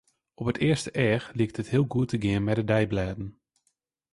Op it earste each liket it hiel goed te gean mei de deiblêden.